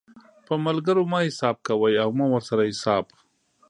په ملګرو مه حساب کوئ او مه ورسره حساب